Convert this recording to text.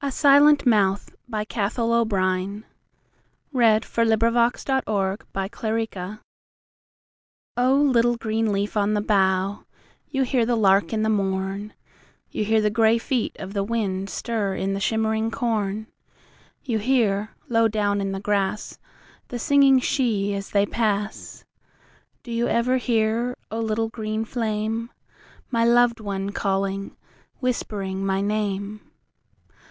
Anthology of Irish Verse. 1922. By Cathal O'Bryne 177. A Silent Mouth O LITTLE green leaf on the bough, you hear the lark in morn, You hear the grey feet of the wind stir in the shimmering corn, You hear, low down in the grass, The Singing Sidhe as they pass, Do you ever hear, O little green flame, My loved one calling, whispering my name?